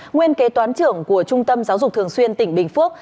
nguyên kế toán trưởng của trung tâm giáo dục thường xuyên tỉnh bình phước